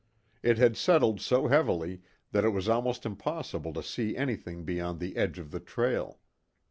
It had settled so heavily that it was almost impossible to see anything beyond the edge of the trail.